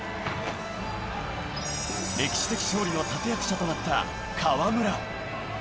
歴史的勝利の立て役者となった河村。